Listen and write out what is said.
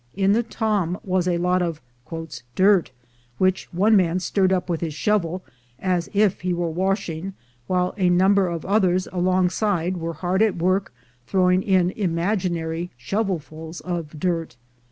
In the tom was a lot of "dirt," which one man stirred up with his shovel, as if he were washing, while a num ber of others alongside were hard at work throwing in imaginary shovelfuls of dirt.